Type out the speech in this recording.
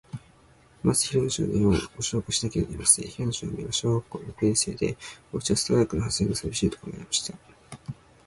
まず、平野少年を、ごしょうかいしなければなりません。平野少年は、小学校の六年生で、おうちは、世田谷区のはずれの、さびしいところにありました。